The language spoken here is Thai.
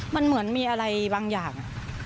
มันเหมือนมีอะไรบางอย่าง